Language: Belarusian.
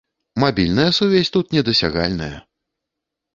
Мабільная сувязь тут недасягальная!